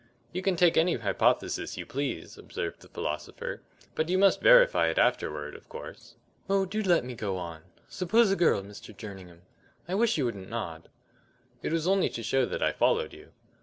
"You can take any hypothesis you please," observed the philosopher, "but you must verify it afterward, of course." "Oh, do let me go on. Suppose a girl, Mr. Jerningham I wish you wouldn't nod." "It was only to show that I followed you."